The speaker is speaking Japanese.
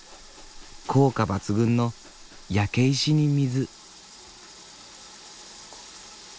効果抜群の「焼け石に水」。